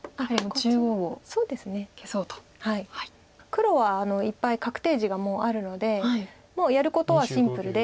黒はいっぱい確定地がもうあるのでもうやることはシンプルで。